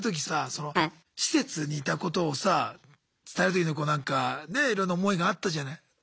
さ施設にいたことをさあ伝えるときのこうなんかねえいろんな思いがあったじゃない。